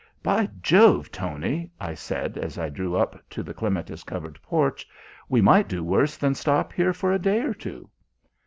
"By Jove, Tony!" I said, as I drew up to the clematis covered porch, "we might do worse than stop here for a day or two."